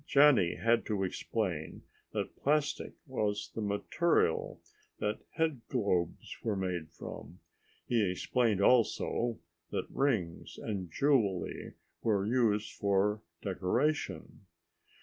Johnny had to explain that plastic was the material that headglobes were made from. He explained also that rings and jewelry were used for decoration.